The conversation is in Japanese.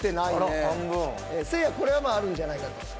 あら半分せいやこれはあるんじゃないかと